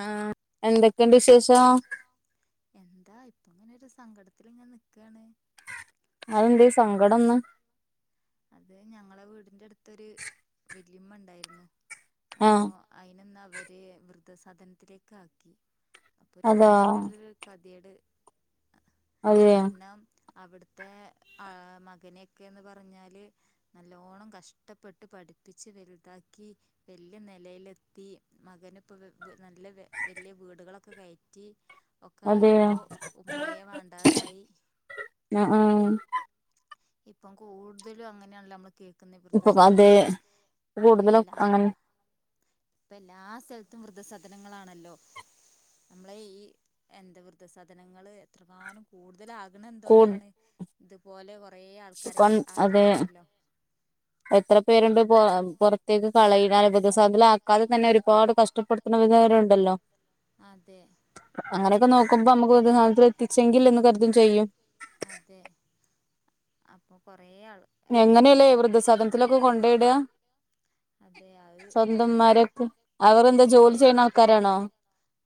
ആ എന്തൊക്കെണ്ട് വിഷേശ് എന്താ ഇപ്പൊങ്ങനൊരു സങ്കടത്തിലിങ്ങനെ നിക്കാണ് അതെന്തേ സങ്കടംന്ന് അത് ഞങ്ങളെ വീടിന്റെ അടുത്തൊര് വല്ലിമ്മണ്ടായിരുന്നു അപ്പോ ആഹ് അയ്നന്ന് അവര് വൃദ്ധസധനത്തിലേക്ക് ആക്കി അപ്പരു അതാ ഭയങ്കരൊര് കദീട് അതെയോ കാരണം അവിട്ത്തെ ആ മകനെയെക്കെന്ന് പറഞ്ഞാൽ ല് നല്ലോണം കഷ്ട്ടപ്പെട്ട് പഠിപ്പിച്ച് വലുതാക്കി വല്യ നിലയിലെത്തി മകന്പ്പോ വെ വെ നല്ല വെ വല്യ വീടുകളൊക്കെ കയറ്റി ഒക്കെ അതെയോ ആയപ്പോ ഉമ്മയെ വേണ്ടാതായി ആഹ് ആഹ് ഇപ്പം കൂട്തലും അങ്ങനെയാണല്ലോ നമ്മൾ കേൾ ക്കുന്നെ വൃദ്ധ ഇപ്പൊ അതെ സധനങ്ങള് ഇപ്പൊ കൂടുതലും എല്ലാ അങ്ങനെ ഇപ്പൊ എല്ലാ സൽത്തും വൃദ്ധസധനങ്ങളാണല്ലോ നമ്മളെ ഈ എന്താ വൃദ്ധ സധനങ്ങള് എത്രങ്ങാനും കൂടുതലാക്ണ കൂടു എന്തോണ്ടാണ് ഇത്പോലെ കൊറെ ആൾക്കാരെ കൊൺ അതെ ആക്കിട്ടാണല്ലോ എത്ര പേരുണ്ട് പൊ പൊറ് ത്തേക്ക് കളയ്ണ വൃദ്ധസധനത്തിലാക്കാതെ തന്നെ ഒരുപാട് കഷ്ടപ്പെടുത്ത്ണവര് വരെ ഉണ്ടല്ലോ അതെ അങ്ങനെക്കെ നോക്കുമ്പോ മ്മുക്ക് വൃദ്ധസധനത്തിൽ എത്തിച്ചെങ്കിൽ എന്ന് കരുതും ചെയ്യും അതെ അപ്പൊ കൊറേ ആൾ എന്താ എങ്ങനെലേ ആൾക്കാര് വൃദ്ധസധനത്തിലൊക്കെ കൊണ്ടോയിട അതെ അത് അവന്ത സ്വന്തന്മാരൊക്കെ അവരെന്താ അതെ ജോലി ചെയ്യണ ആൾക്കാരാണോ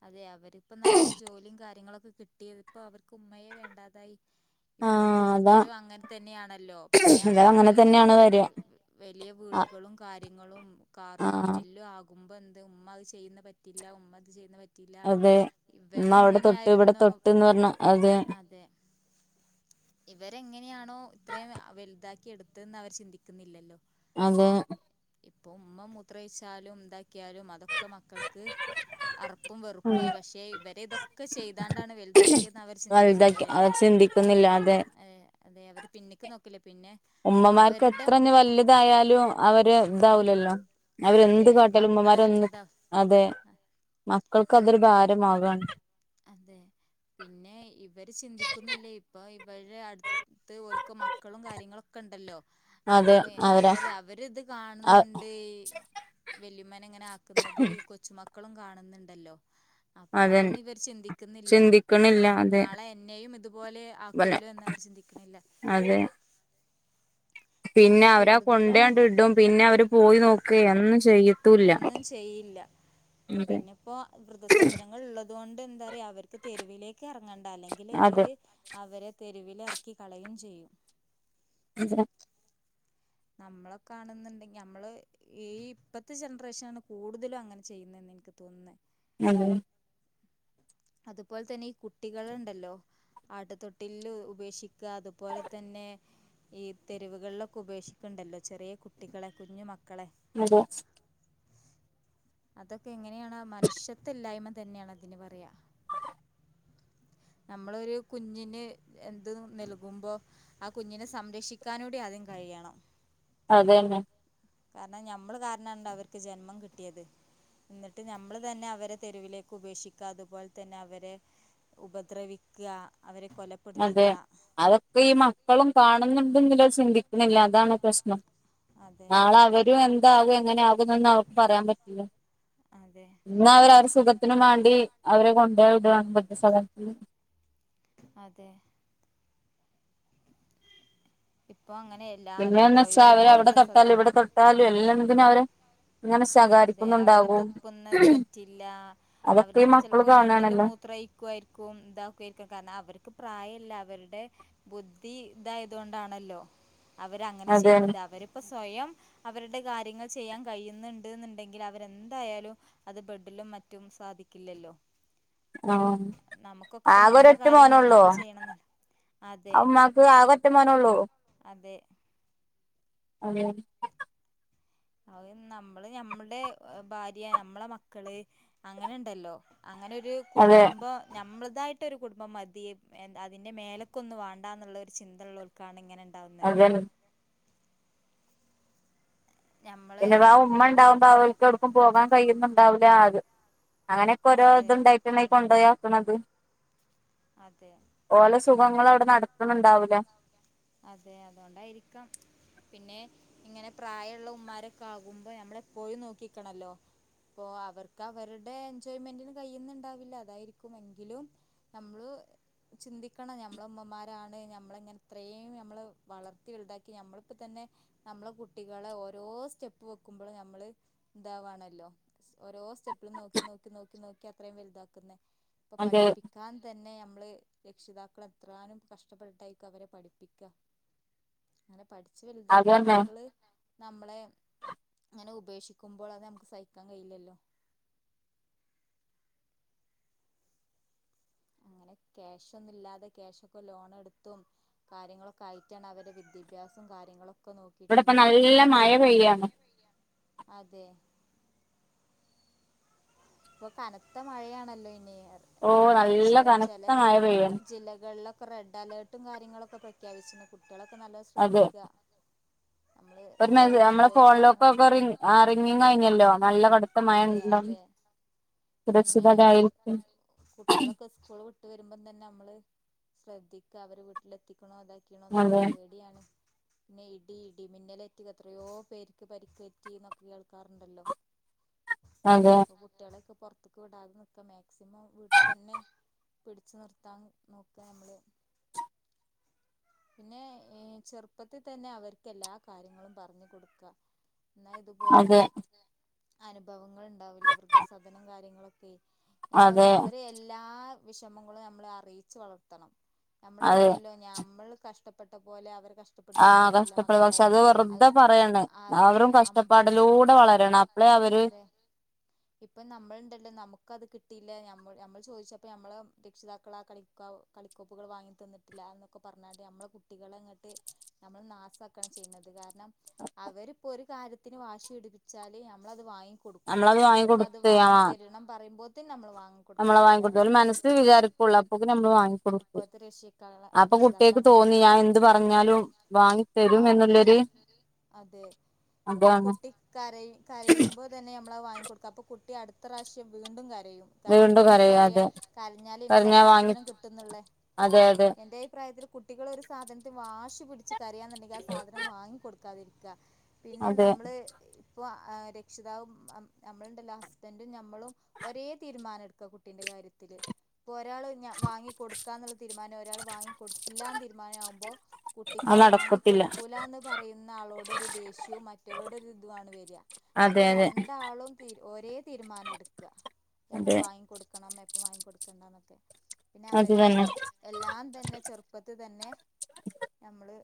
അതെ അവരിപ്പോ നല്ല ജോലിയും കാര്യങ്ങളൊക്കെ കിട്ടിയത്പ്പോ അവര്ക്ക് ഉമ്മയെ വേണ്ടാതായി ഇപ്പൊ ആഹ് അതാ കൂടുതലും അങ്ങൻ തന്നെയാണല്ലോ പിന്നെ അത് അങ്ങനെ അവര്ക്ക് തന്നെയാണ് വരിക വ് വ് വലിയ ആഹ് വീടുകളും കായ് ളും കാറും ആഹ് എല്ലും ആകുമ്പോ എന്ത് ഉമ്മ അത് ചെയ്യുന്ന പറ്റില്ല ഉമ്മ ത് ചെയ്യ്ന്ന പ റ്റില്ല അതെ എന്നാ അവിടെ തൊട്ട് ഇവിടെ ഇവരെങ്ങനെയായിരുന്നു തൊട്ട്ന്ന് പറഞ്ഞ അതെ ഇവരെങ്ങനെയാണോ ഇത്രയും വലുതാക്കി എടുത്തന്ന് അവർ ചിന്തിക്കുന്നില്ലല്ലോ അതെ ഇപ്പൊ ഉമ്മ മുത്രഴിച്ചാലുംതാക്കിയാലും അതൊക്കെ മക്കൾക്ക് അറപ്പും ഉം വെറുപ്പുംആയ് പക്ഷെ ഇവരെതൊക്കെ ചെയ്താണ്ടാണ് വലുതാക്കിയെന്ന് അവർ വലുതാക്കി അത് ചിന്തിക്കുന്നില്ലല്ലോ ചിന്തിക്കുന്നില്ല അതെ അതെ അവര് പിന്നിക്ക് നോക്ക്ല്ല പിന്നെ ഉമ്മമാര്ക്ക് അവരുടെ എത്ര ഞ്ഞി വല്ല്യതായാലും അവര്താവുലല്ലോ അവരെന്ത് അതെ കാട്ടിയാലും മക്കള് ഉമ്മമാരൊന്ന് വല്യതാ അതെ മക്കൾക്ക് അതൊരു ഭാരമാക് ആണ് അതെ പിന്നെ ഇവര് ചിന്തിക്കുന്നില്ലേ ഇപ്പൊ ഇവര് അട് ത്ത് ഓൽക്ക് മക്കളും കാര്യങ്ങളൊക്കെണ്ടല്ലോ അതെ അപ്പൊ അവരാ എന്തറിയാ അവര്ത് കാണുന്നുണ്ട് വല്ല്യയുമ്മനെങ്ങനെ ആക്കുന്നത് ഈ കൊച്ചുമക്കളും കാണുന്നുണ്ടല്ലോ അപ്പ അതന്നെ അതൊന്ന് ഇവര് ചിന്തിക്കുന്നില്ല ചിന്തിക്കണില്ല അതെ നാളെ എന്നെയും ഇതുപോലെ വല്ല ആക്കുല്ലോ എന്ന് അവർ ചിന്തിക്കണില്ല അതെ പിന്നെ ഇപ്പൊ അവരാ കൂടുതലും കൊണ്ടേയ് അങ്ങനെയാണ് ആണ്ട്ടും പിന്നെ അവര് പോയി നോക്കേ എന്നും ചെയ്യും ഒന്നും ചെയ്യില്ല അതെ പിന്നെപ്പോ വൃദ്ധസധനങ്ങൾള്ളത് തോണ്ട് എന്താറിയാ അവര്ക്ക് തെരുവിലേക്ക് ഇറങ്ങണ്ട അല്ലെങ്കില് അതെ വര് അവരെ തെരുവിലിറക്കിക്കളയും ചെയ്യും അതെ നമ്മള കാണുന്നുണ്ടെങ്കി നമ്മള് ഈ ഇപ്പത്തെ ജനറേഷനാണ് കൂടുതലും അങ്ങനെ ചെയ്യുന്നന്ന് എനിക്ക് തോന്നുന്നത് അതെ അതുപോലെ തന്നെ ഈ കുട്ടികൾ ഉണ്ടല്ലോ ആട്ടുത്തൊട്ടിലിൽ ഉപേക്ഷിക്കുക അതുപോലെ തന്നെ ഈ തെരുവുകളിലൊക്കെ ഉപേക്ഷിക്ക ഉണ്ടല്ലോ ചെറിയ കുട്ടികളെ കുഞ്ഞു മക്കളെ അതെ അതൊക്കെ എങ്ങനെയാണ് മനുഷ്യത്ല്ലായ്മ തന്നെയാണ് അതിന് പറയാ നമ്മളൊരു കുഞ്ഞിന് എന്ത് നൽകുമ്പോ ആ കുഞ്ഞിനെ സംരക്ഷിക്കാനൂടെ ആദ്യം കഴിയണം. അതെന്നെ കാര്ണം ഞമ്മള് കാരണണ്ടോ അവർക്ക് ജന്മം കിട്ടിയത്. ന്നെട്ട് നമ്മള് തന്നെ അവരെ തെരുവിലേക്ക് ഉപേക്ഷിക്ക അതുപോലെ തന്നെ അവരെ ഉപദ്രവിക്ക അവരെ കൊല അതെ അതൊക്കെ ഈ മക്കളും കാണുന്നുണ്ട്ന്നലൊ ചിന്തി ന്നെല്ല അതാണ് പ്രശ്നം അതെ നാള അവരും എ ന്താകും എങ്ങനെയാകും നൊന്നും അവർക്ക് പറയാൻ പറ്റില്ല. അതെ ഇന്ന് അവരരു സുഖത്തിന് വേണ്ടി അവരെ കൊണ്ടയ്ടാണ് വൃദ്ധസദനത്തില്. അതെ ഇപ്പൊഅങ്ങനെ പിന്നെന്നെച്ചാ അവര അവടെ തൊട്ടാലു ഇവടെ തൊട്ടാലു എല്ലെതിനു അവരെ ഇങ്ങനെ അതെ അവര് ശകാരിക്കുന്നുണ്ടാവും തുപ്പുന്നത് പറ്റില്ല അതൊക്കെ അവര് ഈ മക്കള് ചെൽപ്പോ ബെഡില് കാണാണല്ലോ മൂത്രയ്ക്കായിര് ക്കും താക്കുയ്ക്കും കാര്ണം അവർക്ക് പ്രായല്ല അവര്ടെ ബുദ്ധി തായത് കൊണ്ടാണല്ലോ. അവരങ്ങനെ അതന്നെ ചെയ്യുന്നത് അവരിപ്പോ സ്വയം അവര്ടെ കാര്യങ്ങൾ ചെയ്യാൻ കഴിയുന്ന് ണ്ട്ന്ന് ണ്ടെങ്കിലവരെന്തായാലും അത് ബെഡിലും മറ്റും സാധിക്കില്ലല്ലോ ആഹ് നമുക്കൊക്കെ ഇപ്പ നമ്മളെ ആകൊരൊറ്റ കാര്യങ്ങൾ മോനൊള്ളോ നമ്മൾ ചെയ്യണംന്നല്ല അതെ അ ഉമ്മാക്ക് ആകൊറ്റ മോനൊള്ളൂ അതെ അവൻ നമ്മള് നമ്മടെ ഭാര്യ നമ്മളെ മക്കള് അങ്ങനെണ്ടല്ലോ അങ്ങനെരു അതെ കുടുംബ നമ്മൾതായിട്ടൊരു കുട്ബം മതി അതിൻ്റെ മേലക്കൊന്ന് വാണ്ടാ ന്നുള്ളൊരു ചിന്തള്ളോ ക്കാണ് ഇങ്ങനെ ഉണ്ടാവുന്നെ അതന്നെ ഞമ്മള് പിന്നെ ആ ഉമ്മ ഉണ്ടാവുമ്പോ അവർക്കൊടുക്കും പോകാൻ കഴിയുന്നുണ്ടാവില്ലാ അത് അങ്ങനക്കൊരോ അതെ ഇത്ണ്ടായിട്ടാണ് ഈ കൊണ്ടോയാക്കണത് അതെ ഓല സുഖങ്ങളവടെ നടക്ക്ണ് ണ്ടാവുല്ല. അതെ അതോണ്ടായിരിക്കാം പിന്നെ ഇങ്ങനെ പ്രായള്ള ഉമ്മാരൊക്കകുമ്പോ നമ്മളെ എപ്പോഴും നോക്കിക്കണല്ലോ അപ്പോ അവർക്ക് അവരുടെ എൻജോയ്മെന്റിന് കയ്യ്ന്ന്ണ്ടാവില്ല അതായിരിക്കും എങ്കിലും നമ്മള് ചിന്തിക്കണം ഞമ്മളെ ഉമ്മമാരാണ് നമ്മളിങ്ങനെ ഇത്രേം നമ്മൾ വളർത്തി വലുതാക്കി നമ്മളിപ്പോതന്നെ നമ്മളെ കുട്ടികളെ ഓരോ സ്റ്റെപ്പ് വെക്കുമ്പോളും നമ്മള് ഇന്താവാണല്ലോ ഓരോ സ്റ്റെപ്പിലും നോക്കി നോക്കി നോക്കി നോക്കി അത്രയും വലുതാക്ന്നെ പ്പൊ അതെ പഠിപ്പി ക്കാൻ തന്നെ നമ്മൾ രക്ഷിതാക്കൾ എത്രാനും കഷ്ടപ്പെട്ടായിരിക്കും അവരെ പഠിപ്പിക്ക ങ്ങനെ പഠിച്ച് വൽതാക്കി അതന്നെ മക്കള് നമ്മളെ അങ്ങനെ ഉപക്ഷിക്കുമ്പോൾ അത് നമക്ക് സഹിക്കാൻ കയിലല്ലോ അങ്ങനെ ക്യാഷ് ഒന്നുല്ലാതെ ക്യാഷൊക്കെ ലോണെടുത്തും കാര്യങ്ങളൊക്കായിറ്റാണ് അവരെ വിദ്യാഭ്യാസം കാര്യങ്ങളൊക്കെ ഇബടെ പ്പം നോക്കിയിട്ടുണ്ടാവുക നല്ല മഴ പെയ്യാ അതെ പ്പൊ കനത്ത മഴയാണല്ലോ ഇനി ഓ നമ്മള് നല്ല ചെ കനത്ത ചെലെ മഴ പെയ്യാണ് ജില്ലകളിലൊ ക്കെ റെഡ് അലേർട്ടും കാര്യങ്ങളൊക്കെ പ്രഖ്യാപിച്ച്ണ് കുട്ട്യാളൊക്കെ നല്ലോം അതെ ശ്രദ്ധിക്ക നമ്മള് ഒരു മെ പ്പ നമ്മളെ സ്കൂളും ഫോണിലൊക്കൊക്കെ കാര്യങ്ങളൊക്കെണ്ട് റിങ് ആ റിങ്ങിങ് കഴിഞ്ഞല്ലോ നല്ല കടുത്ത മഴ അതെ ഉണ്ടാവും അതെ പിന്നെ സുരക്ഷിതരായിരിക്കും കുട്ട്യാളൊക്കെ സ് സ്കൂള് വിട്ട് വരുമ്പം തന്നെ നമ്മള് ശ്രദ്ധിക്ക അവര് വീട്ടിലെത്തിക്ക്ണോ അതാ ക്കിണോന്നൊക്കെ അതെ പേടിയാണ് ന്നെ ഇടി ഇടി മിന്നലേറ്റ് എത്രയോ പേർക്ക് പരിക്കേറ്റിന്നൊക്കെ കേൾക്കാറുണ്ടല്ലോ അതെ ഇപ്പൊ കുട്ട്യാളൊക്കെ പോർ പോർത്ത്ക്ക് വിടാതെ നിക്ക മാക്സിമം വീട്ട് തന്നെ പിടിച്ചു നിർത്താൻ നോക്ക നമ്മള് പിന്നെ ചെറുപ്പത്തി തന്നെ അവർക്ക് എല്ലാ കാര്യങ്ങളും പറഞ് കൊടുക്ക എന്നാ ഇത് ഇത് പോലുള്ളെ അതെ അനുഭവങ്ങൾ ഇണ്ടാവൂല്ല വൃദ്ധസദനം കാര്യങ്ങളൊക്കെ ഞാൻ അതെ പറയാ അവരെ എല്ലാ വിഷമങ്ങളും നമ്മളെ അറിയിച്ച് വളർത്തണം ഞമ്മള് അതെ പറയല്ലോ ഞമ്മള് കഷ്ടപ്പെട്ട പോലെ അവരെ കഷ് ആഹ് കഷ്ടപ്പെട പക്ഷെ അത് വെറുതെ പറയാണ് അതെ അവരും അം കഷ്ടപ്പാടിലൂടെ വളരണം പ്പളെ അവര് [inaudible] ഇപ്പം നമ്മള് ഇണ്ടല്ലോ നമ്മക്കത് കിട്ടീല നമ്മൾ നമ്മൾ ചോയ്ച്ചപ്പോ നമ്മളെ രക്ഷിതാക്കള് ആഹ് കളി ക കളിക്കോപ്പുകൾ വാങ്ങി തന്നിട്ടില്ല എന്നൊക്കെ പറഞ്ഞാല് നമ്മളെ കുട്ടികളെ ഇങ്ങട്ട് നമ്മള് നാസാക്കാണ് ചെയ്യുന്നത് കാരണം അവരിപ്പോ ഒര് കാര്യത്തിന് വാശി പിടുപ്പിച്ചാല് നമ്മളത് വാങ്ങി കൊടുക്കും നമ്മളത് എനിക്കത് വാങ്ങിക്കൊടുത്ത് ആ വാങ്ങി തരണം പറയുമ്പോത്തിന് നമ്മള് വാങ്ങി കൊടുക്കാൻ നമ്മളെ വാങ്ങിക്കൊടുത്ത് തയ്യാറാണ് ഓലെ ഇപ്പത്തെ മനസ്സിൽ വിചാരിക്കുള്ളൂ അപ്പോക്ക് നമ്മള് വാങ്ങിക്കൊടുത്ത് ഇപ്പത്തെ രക്ഷക്കാള അപ്പൊ കുട്ടിയക്ക് രക്ഷിതാക്കള് അ തോന്നി ഞാൻ എന്ത് പറഞ്ഞാലും വാങ്ങി തരും വാങ്ങി എന്നുള്ളൊരു തരും അതെ ഇപ്പോ അതാണ് കുട്ടി കരയ് കരയുമ്പോ പ്പോ തന്നെ നമ്മളത് വാങ്ങി കോട്ക്ക അപ്പോ കുട്ടി അട്ത്തറാവശ്യം വീണ്ടും കരയും കാരണം വീണ്ടും കരയാ കുട്ടിക്കറിയാ അതെ കരഞ്ഞാലെ എനിക്കാ കരഞ്ഞാ വാങ്ങി സാധനം കിട്ടും ന്നുള്ളേ അതെ അതെ എന്റെ അഭിപ്രായത്തില് കുട്ടികള് ഒരു സാധനത്തിന് വാശി പിടിച്ച് കരയാന്ന്ണ്ടെങ്കി ആ സാധനം വാങ്ങി കൊടുക്കാതിരിക്ക. പിന്നെ അതെ നമ്മള് ഇപ്പോ രക്ഷിതാവും നമ്മള്ണ്ടല്ലോ ഹസ്ബന്റും ഞമ്മളും ഒരേ തീരുമാനം എടുക്ക കുട്ടിന്റെ കാര്യത്തില് ഇപ്പൊ ഒരാള് ഞാൻ വാങ്ങി കൊടുക്കാന്ന്ള്ളെ തീരുമാനം ഒരാള് വാങ്ങിക്കൊട് ഇല്ലാന്ന് തീരുമാനം ആവുമ്പോ കുട്ടിക്ക് അത് ആഹ് വാങ്ങി നടക്കത്തില്ല കൊടുക്കൂലാന്ന് പറയുന്ന ആളോട് ഒരു ദേഷ്യവും മറ്റൊരോട് ഒരു ഇതുമാണ് വേരാ അതെ അതെ ണ്ടാളും ഒരെ തീരുമാനം എട്ക്ക എപ്പം അതെ വാങ്ങി കൊടുക്കണം എപ്പം വാങ്ങി കൊടുക്കണ്ടന്നൊക്കെ പിന്നെ അത് അവരെ തന്നെ എല്ലാം തന്നെ ചെറു തന്നെ നമ്മള്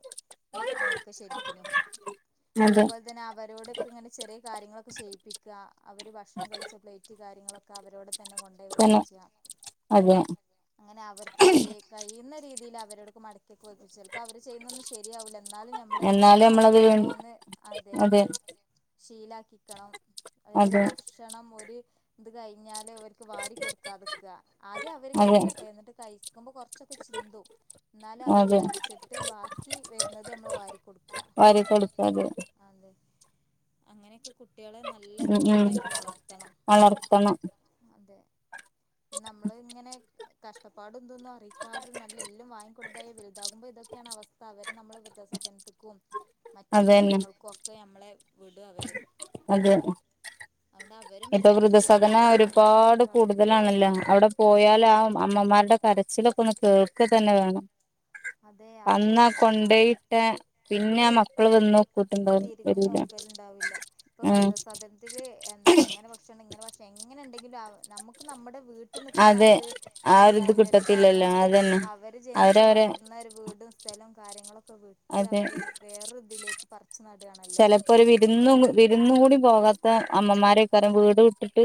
നോക്ക ശെരിക്നും അതെ പോലെ തന്നെ അവരോടൊക്കെ ഇങ്ങനെ ചെറിയ കാര്യങ്ങളൊക്കെ ചെയ്യിപ്പിക്ക അവര് ഭക്ഷണം കഴിച്ച പ്ലേറ്റ് റ്റ് കാര്യങ്ങളൊക്കെ അവരോട് തന്നെ കൊൺ തന്നെ പ്പിച്ചാ അതെ അങ്ങനെ അവർക്ക് ക കഴിയുന്ന രീതില് അവരോട് മട [unintelligible] ശരിയാവൂല്ല എന്നാലും ഞമ്മള് എന്നാലും അവരെ നമ്മളത് ഓരോന്ന് അതെ ശീലാക്കി ക്കണം അതേപോലെ അതെ ഭക്ഷണം ഒര് ഇത് കഴിഞ്ഞാൽ ഓൽക്ക് വാരി കൊടുക്കാതക്ക ആദ്യം അവര് അതെ കഴിക്കട്ടെ ഇന്നട്ട് കഴിക്കുമ്പോ കോർച്ചൊക്കെ ചിന്തും ന്നാല് അവര് അതെ കഴിച്ച്ട്ട് ബാക്കി വെര്ന്നത് നമ്മള് വാരി കൊട്ക്ക വാരി കൊടുക്കാതെ അതെ അങ്ങനെക് കുട്ടികളെ നല്ലത് ഉം ഉം ഇതാക്കി വളർത്തണം വളർത്തണം അതെ പിന്നെ നമ്മള് ഇങ്ങനെ കഷ്ടപ്പാടും ദൊന്നും അറിയിക്കാതെ നല്ലെല്ലും വാങ്ങി കൊടുതായെ വൽതാകുമ്പോ ഇതൊക്കെയാണ് അവസ്ഥ അവര് നമ്മളെ വൃദ്ധസധൻത്ത്ക്കും മറ്റ് അതന്നെ കാര്യങ്ങൾക്കും ഒ ഒക്കെ ഞമ്മളെ വിടു അവര് അതെ അ ഇപ്പൊ വൃദസദന ഒരുപാട് വളരണം കൂടുതലാണല്ലോ അവടെ അതെ പോയാലാവും അമ്മമാര്ടെ കരച്ചിലൊക്കന്ന് കേൾക്കെ തന്നെ വേണം അതെ അതെ അന്നാ കൊണ്ടയിട്ട പിന്നെ ആ മ മക്കള് വന്ന് നോക്കിട്ടുണ്ടോ തിരിഞ്ഞു വരൂല ഉം ത്തില് എന്താ അങ്ങനെ ഭക്ഷണം ഇങ്ങനെ ഭക്ഷണം എങ്ങനെ ഇണ്ടെങ്കിലും അവ നമുക്ക് നമ്മുടെ വീ ട്ട് നിക്കുന്ന ആ അതെ ഒര് ആ ഒരിത് ഇത്ണ്ടാവൂലല്ലോ കാരണം കിട്ടത്തില്ലല്ലോ അതന്നെ അവര് ജൻച്ച് അവരവരെ വളർന്ന ഒരു വീട് സ്ഥലം കാര്യങ്ങളൊക്കെ വിട്ട് അതെ അവര് വേറര് ഇതിലേക്ക് പർച്ച് നടാണല്ലോ ഇപ്പ ഒരു വിരുന്നും വിരുന്നു കൂടി പോകാത്ത അമ്മമാരെക്കാരം വീട് വിട്ടിട്ട്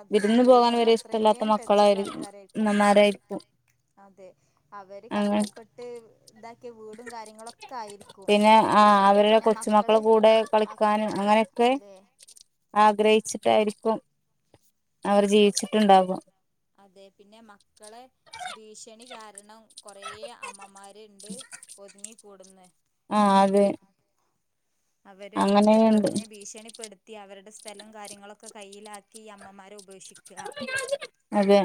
അതെ വിരുന്ന് പോകാന് വീടിനോട് വരെ ഇഷ്ടല്ലാത്ത അത്രയും ടച്ചുള്ള മക്കളായ്ര് ആൾക്കാരായിരിക്കും ഉമ്മമാരായിരിക്കും. അതെ അവര് കഷ്ടപ്പെട്ട് താക്കിയ വീടും. കാര്യങ്ങളൊക്കായിരിക്കും. പിന്നെ ആ അവരുടെ കൊച്ചുമക്കളെ കൂടെ, മക് കളിക്കാനും, അങ്ങനെക്കെ. അതെ ആഗ്രഹിച്ചിട്ടായിരിക്കും, അവര് ജീവിച്ചിട്ട്ണ്ടാവ അതെ പിന്നെ മക്കളെ. ഭീഷണി കാരണം കൊറേ അമ്മമാര്ണ്ട് ഒതുങ്ങിക്കൂട്ന്ന്. ആ അതെ. അവര് അത് തും അങ്ങനെയുണ്ട് പർഞ്ഞ് ഭീഷണിപ്പെടുത്തി അവര്ടെ സ്ഥലം കാര്യങ്ങളൊക്കെ കയ്യിലാക്കി ഈ അമ്മമാരെ ഉ ഉപേക്ഷിക്കാ. അതെ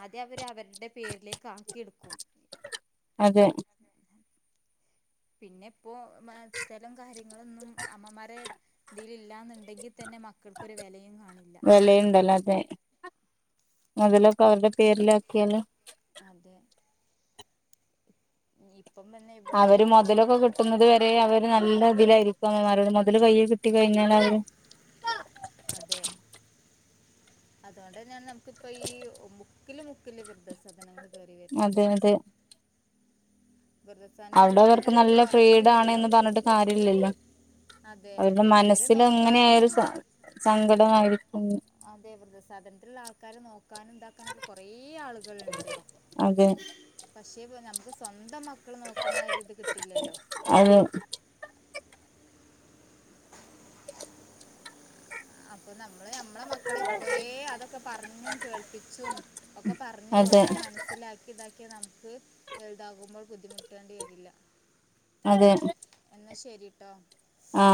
ആദ്യം അവര് അവര്ടെ പേര്ലേക്ക് ആക്കിയെടുക്കും. അതെ. പിന്നെ പ്പോ മ സ്ഥലം കാര്യങ്ങളൊന്നും അമ്മമാരെ ഇതിലില്ലാന്ന്ണ്ടെങ്കി തന്നെ മക്കൾക്കെരു വെലയും കാണില്ല [unintelligible] മൊതലൊക്കെ അവര്ടെ പേര്ലാക്കിയാല്. അതെ. ഇപ്പം തന്നെ ഇവട്തെന്നാവും. ക്കുന്നത് വരെ അവര് നല്ലതിലായിരിക്കും അമ്മമ്മാരേട് മെതല് കയ്യീ കിട്ടി കഴിഞ്ഞാല് അവര് അതെ അതൊണ്ടെന്നെണ് നമുക്ക്പ്പ ഈ മുക്കില് മുക്കില് വൃദ്ധസധനങ്ങള്. അതെ, അതെ, [unintelligible] അവ്ടെ അവർക്ക് കൂടാന്നല്ലാതെ നല്ല കുറയുന്നില്ലല്ലോ ഫ്രീഡാണെന്ന് പർഞ്ഞിട്ട് കാര്യല്ലല്ലോ. അതെ അവര്ക്ക് അവരെ മനസ്സിലെങ്ങനായാലും നോക്കാനും സ സങ്കടായിരിക്കും. അതെ വൃദ്ധ സധൻത്തില്ള്ള ആൾക്കാരെ നോക്കാനും താക്കാനൊക്കെ കൊറെ ആൾകള്ണ്ട്. അതെ. പക്ഷേ നമ്മക്ക് സ്വന്തം മക്കള് നോക്ക്ണാ ആ ഒര്ത് കിട്ടില്ലല്ലോ. അതെ പ്പൊ നമ്മള് നമ്മളെ മക്കളെ, ഇപ്പൊയേ അതൊക്കെ പർഞ്ഞും കേൾപ്പിച്ചും. ഒക്ക പർഞ്ഞ് അതെ കൊടുത്ത് മൻസ്സിലാക്കി താക്കിയതാ. ത് വൽതാകുമ്പോൾ ബുദ്ധിമുട്ടേണ്ടി വരില്ല. അതെ. എന്നാ ശരിട്ടോ. ആ